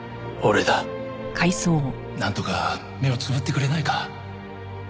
なんとか目をつぶってくれないか？